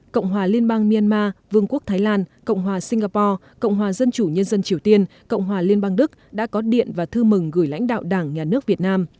cộng hòa liên bang myanmar vương quốc thái lan cộng hòa singapore cộng hòa dân chủ nhân dân triều tiên cộng hòa liên bang đức đã có điện và thư mừng gửi lãnh đạo đảng nhà nước việt nam